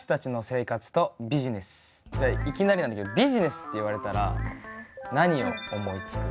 じゃあいきなりなんだけどビジネスって言われたら何を思いつく？